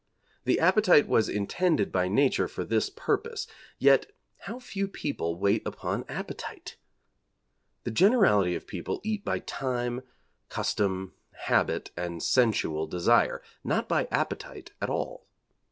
The appetite was intended by Nature for this purpose, yet how few people wait upon appetite! The generality of people eat by time, custom, habit, and sensual desire; not by appetite at all.